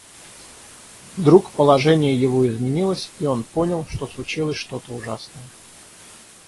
Вдруг положение его изменилось, и он понял, что случилось что-то ужасное.